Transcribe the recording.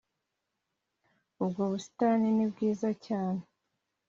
Ubwo busitani ni bwiza cyane